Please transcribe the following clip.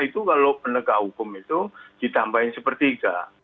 itu kalau penegak hukum itu ditambahin sepertiga